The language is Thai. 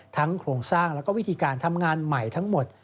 โครงสร้างแล้วก็วิธีการทำงานใหม่ทั้งหมด